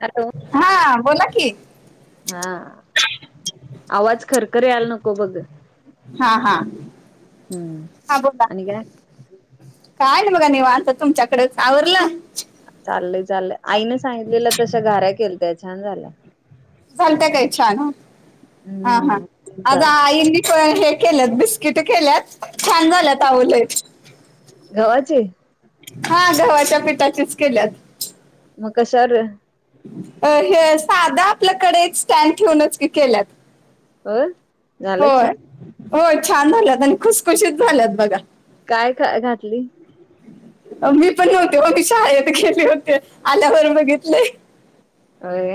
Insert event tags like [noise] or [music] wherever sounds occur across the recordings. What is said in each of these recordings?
Hello हा बोला की हा आवाज खरखरी यायला नको बघ. हा हा हम्म हा बोला. आणि काय काय नाही बघा निवांत च तुमच्या कडेच आवरलं. चाललय चाललं आईने सांगितलेलं तशा घाऱ्या केलं त्या छान झाल्या. झालता काय छान हा हा हम्म आग चाल आईणी ते हे केल्यात बिस्किट केल्यात छान झाल्यात आव लय. घवा ची, हा गव्हाच्या पिठाचेच केल्यात. मग कशा र, अ हे साधा आपल्या कडइत स्टँड ठेऊनच की केल्यात हो झालंय होय छान. होय छान झाल्यात आणि खुशखुशीत झाल्यात बघा. काय ख घातली. मी पण नव्हते ओ मी शाळेत गेलते आल्यावर बघितले होय,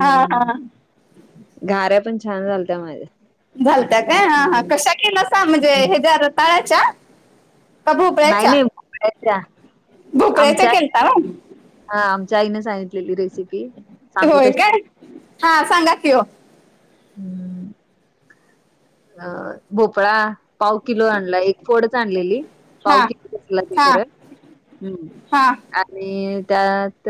हा हम्! हा गार्या पण छान झालत्या माझा हम्! पा म्हणजे ह्याज ताळा्याच्या. का नाही भोपळ्याच्या नाही भोपळ्याच्या भोपळ्याच्या आमच्या केलता होय. हा आमच्या आईन सांगितलेली रेसिपी. सांगू होय तशी काय हा सांगा कि हो. हम्म! अ भोपळा पाव किलो आणला एक फोडच आणलेली. पाव हा किलो खीसला मी हा परत हम्म हा आणि त्यात.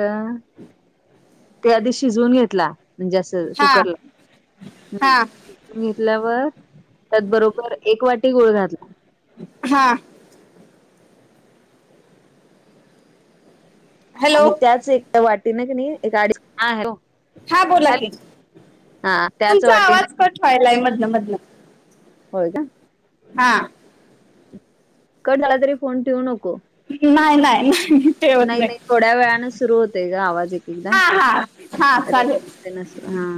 ते आधी शिजवून घेतला म्हणजे असं हा कुकरला हा घेतल्यावर त्यात बरोबर एक वाटी गुळ घातला. हा. हॅलो आणि त्याच एका वाटीन कनाय एक आढीच हा हॅलो. हा बोला की हॅलो हा त्याच तुमचा वाटीने आवाज कट व्हायलाय मधन मधन. होय का. हा कट झाला तरी फोन ठेवू नको. नाय नाय नाही. ठेवत नाय नाय नाही थोड्या वेळानं सुरू होतय ग आवाज एक एकदा. हा हा हा चालेल. कण अस हा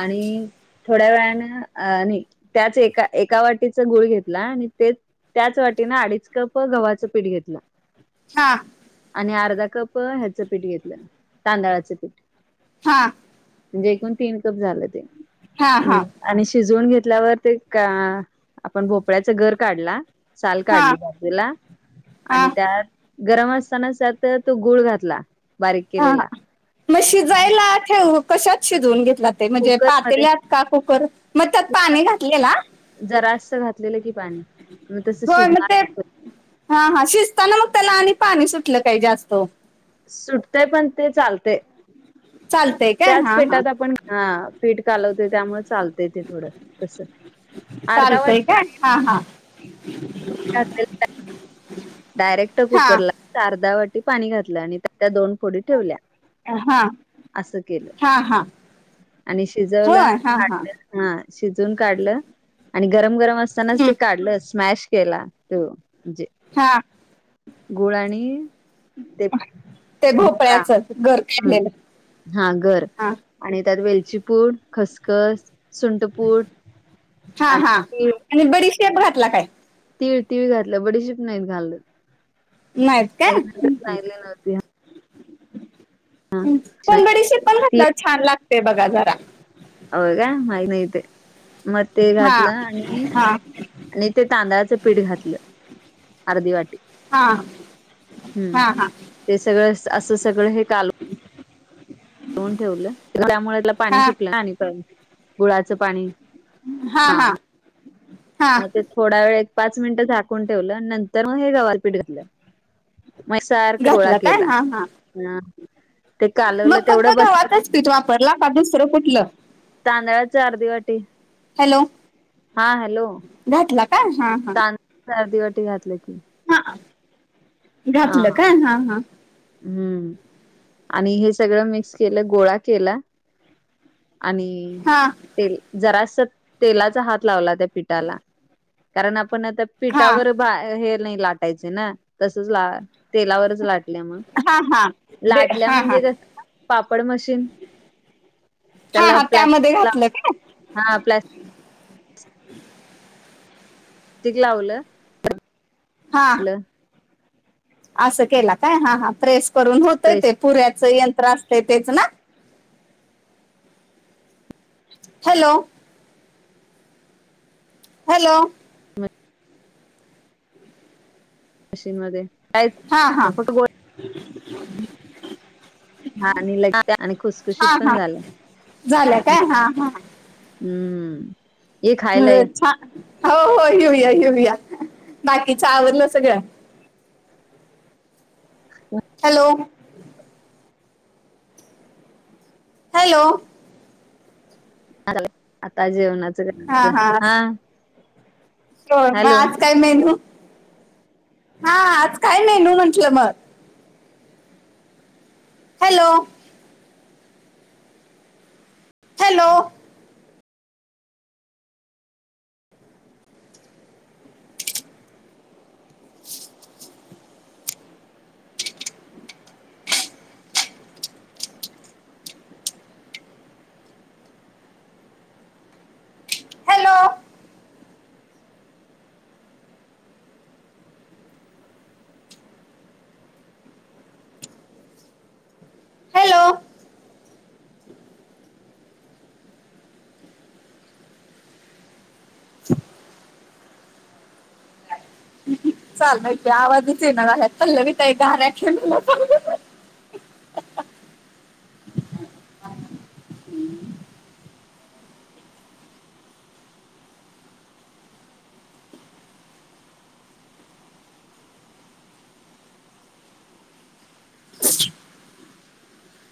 आणि. थोड्या वेळने अ नी त्याच एका एका वाटीच गुळ घेतला आणि तेच त्याच वाटीनें अडीच कप गव्हाचं पीठ घेतलं. हा. आणि अर्धा कप ह्याचं पीठ घेतलं तांदळाच पीठ. हा. म्हणजे जे एकूण तीन कप झालं ते. हा हम्. हा आणि शिजवून घेतल्यावर ते का आपण भोपळ्याच गर काढला. साल हा काढली बाजूला आणि हा त्यात गरम असतानाच त्यात तो गुळ घातला बारीक हा केलेला. हा मग शिजायला ठेव कशात शिजवून घेतलात. ते म्हणजे कुकरमध्ये पातेल्यात का कुकर मग त्यात पाणी घातलेला. जरास घातलेलं की पाणी, मग तसं होय म ते. शिजणार हा हा शिजताना मग त्याला आणि पाणी सुटलं काय जास्त. सुटतय पण ते चालते चालतंय काय त्याच हा हा पीटात आपण हा पीठ कालवतोय त्यामुळे चालतय ते थोडं तस. अर्धा चालतंय वाटी काय पाणी हा, हा. घातलेलं [unintelligible] डायरेक्ट हा कुकरला अर्धा वाटी पाणी घातलं आणि त्या त्या दोन फोडी ठेवल्या. हा असं केलं, हा हा आणि शिजवला. होय हा [unintelligible] हा शिजून काढलं आणि गरम-गरम असतानाच हम्म ते काढलं स्मॅश केला. हो जे. हां. गुळ आणि. ते ते ढोकळा भोपळ्याचं गर ह, काढलेलं हा घर. हा आणि त्यात वेलचीपूड, खसखस, सुंटपूड हा हा आणि आणि बडीशेप घातला काय? तीळ-तीळ घातलं बडीशीप नाहीत घाललं. नाहीत काय? हम्म ह. नव्हती पण बडीशी पण खूप छान लागतेय बघा जरा. हो काय माहीत नाही ते मग ते हा घातलं आणि. हा आणि ते तांदळाचं पीठ घातलं, अर्धी वाटी. हा हा [inaudible] हम्म हा ते सगळं अस सगळं हे काल. ठेवलं त्यामुळे हा पाणी सुटलं पाणी. गुळाचं पाणी, हा. हा मग ते थोडा वेळ एक, पाच मिनटं झाकून ठेवलं नंतर मग हे गवलपीठ घेतलं. म सारखा गोळा घातलं काय केला हा हा ह. ते कालवलं मग फक्त तेवढं बसलं. गव्हाचच पीठ वापरला का दुसरं कुठलं [inaudible] तांदळाची अर्धी वाटी. हॅलो, हा हॅलो घातला काय हा, हा. तांदळाच अर्धी वाटी घातलं की. हा, हा घातलं काय हा, हा. हम्म, आणि हे सगळं मिक्स केलं गोळा केला. आणि. हा तेल जरास तेलाचा हात लावला त्या पिठाला कारण आपण आता. हा पिठावर बा हे नाही लाटायचे ना. तेलावरच लाटल्या मग हा हा दे लाटल्या हा हा म्हणजे कस. पापड मशीन हा त्याला हा त्यामध्ये प्लास्ट ला घातलं काय हा प्स्ट टिक लावलं. [unintelligible] हा. असं केला काय हा हा प्रेस करून होतय प्रेस ते पुऱ्याच यंत्र असते तेच ना. हॅलो! हॅलो! मशीन मध्ये. काहीच हा हा. नाही फक्त [unintelligible] हा आणि लग आणि खुसखुशीत हा पण हा झाल. झालं काय हा हा हम्म. [unintelligible] या छान हो हो येऊया-येऊया, बाकीच आवरलं सगळं? हॅलो! हॅलो! [unintelligible] आता जेवणाचं [unintelligible] हा [inaudible] होय, मग हॅलो आज काय मेनू? हा आज काय मेनू म्हटलं मग? हॅलो! हॅलो! [unintelligible] हॅलो! हॅलो! [inaudible] चाललय की आवाजच यी ना झालाय पल्लवी ताई घाऱ्या केलेलासा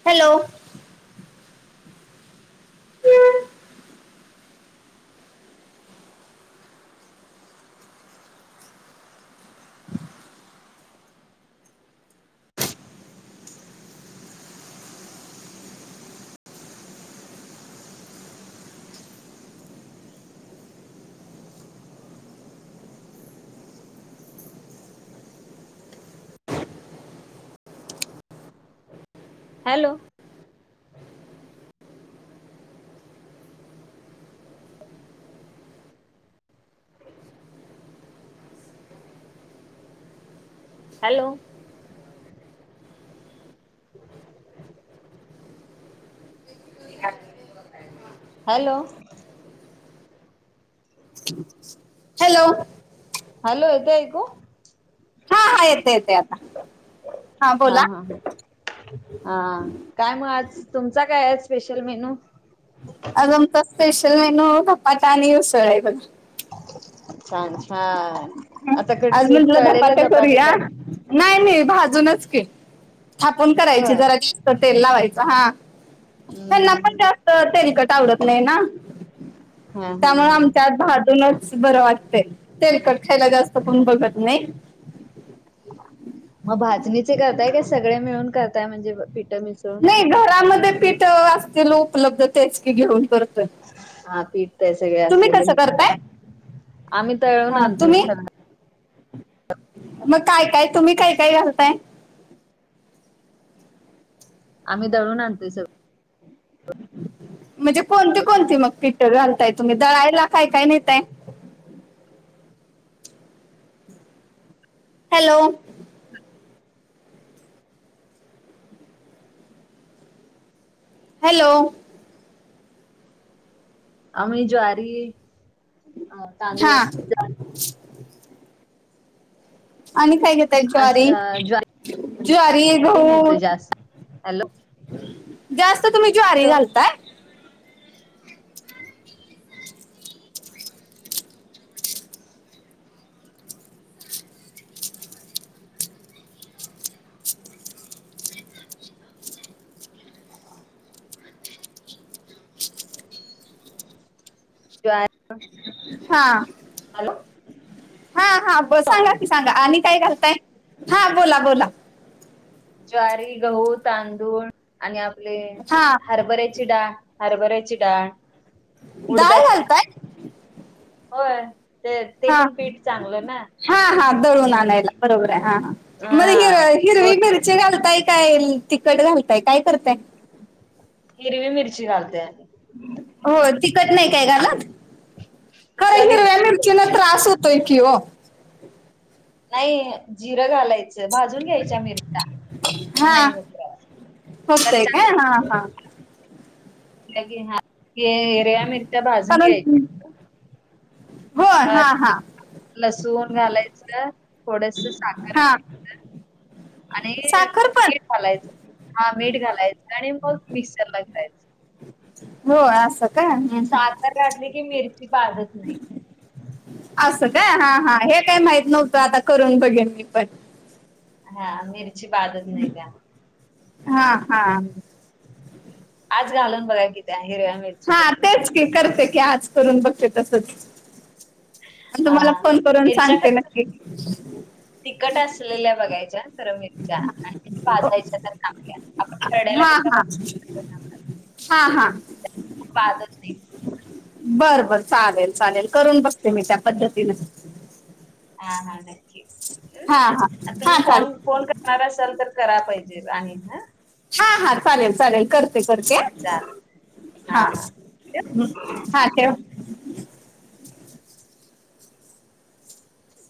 hello. Hello. Hello. Hello. [unintelligible] Hello. Hello, येते ऐकू? हा हा येतय येतय आता. हा हा. हा काय म आज तुमचा काय हाय स्पेशल मेनू? आज आमचा स्पेशल मेन्यू धपाटा आणि उसळं आहे बघा छान छान. आता आज कसे म्हटलं तळलेले धपाटे करुया. कर नाही नाही भाजूनच की थापून करायचे होय जरा तेल लावायच हा. त्यांना पण हम्म जास्त तेलकट आवडत नाही ना. हा हा त्यामुळं हा आमच्यात भाजूनच बरं वाटतय. तेलकट खायला जास्त कोण बघत नाही. म भाजणीचे करताय का? सगळे मिळून करताय म्हणजे पिठ मिक् नाही घरामध्ये पीठं असतील उपलब्ध तेच की घघि ऊन करतोय. हा पीठ ते सगळे तुम्ही असलेले कसं मिक्स करून. करताय आम्ही दळून हा, आणतोय तुम्ही इ मग काय काय तुम्ही काय काय घालताय? आम्ही दळून आणतोय सगं म्हणजे कोणती कोणती मग पीठं घालताय तुम्ही? दळायला काय काय नेताय? हॅलो. हॅलो. आम्ही ज्वारी अ हा. तांदूळ आणि काय घेताय अस ज्वारी, ज्वारी ज्वारी, गहू नेतोय जास्त हॅलो जास्त तुम्ही ज्वारी हॅलो घालताय? ज्वारी हा. हॅलो. हा हा ब सांगा की सांगा आणि काय घालताय? हा बोला बोला. ज्वारी, गहू, तांदूळ आणि आपले हा हरभऱ्याची डाळ. हरभऱ्याची डाळ. डाळ उडदाची घालताय. होय. ते ते हा पण पीठ चांगलं ना हा हा दळून हम्म आणायला बरोबर आहे हा ह हा मध्ये घ हो हिरवी मिरची घालताय काय तीखट घालताय काय करताय? हिरवी मिरची घालतोय आम्ही. होय तिखट नाही काय घालत? खरं हिरव्या चवीला त्रास होतोय कि हो. नाही जिरं घालायचं. भाजून घ्यायच्या मिरच्या मग हा नाही होत त्रास. होतोय कच्चा काय हा हा. [unintelligible] ते हिरव्या मिरच्या भाजून कारण घ्यायच्या. हो अ हा हा लसूण घालायच थोडस साखर हा घालायचं. आणि साखर पण मीठ घालायच हा मीठ घालायचं आणि मग मिक्सर ला फिरायच. हो आसट. साखर घातली की मिर्ची अस का असं. हा हा हे काही माहत नव्हतं आता करून बघेल मी पण. हा मिरची बाधत नाही का? हा हा. आज घालून बघा कि त्या हिरव्या मिर हा तेच की करते की आज करून बघते तसंच. अन तुम्हाला हां, फोन करून सांगते नक्की. तिकट असलेल्या बघायच्या. खरं मिरच्या आणि ओ, भाजायच्या त्या चांगल्या आपण खरड्याला हा कशा हा भाजतो हा हा बाधत नाही. बर बर चालेल चालेल करून बघते मी त्या पद्धतीने. हा हा [unintelligible] हा हा तुम्ही हा चालेल फोन फोन कर काला सर तर करा पाहिजेच आणि हां. हां हां चालेल. चालल करते करते चालेल. हा हा हं हा. ठेव.